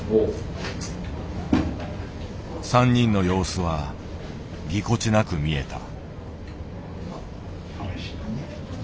３人の様子はぎこちなく見えた。